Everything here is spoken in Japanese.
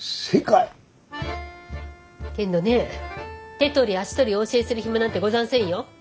けどねえ手取り足取りお教えする暇なんてござんせんよ。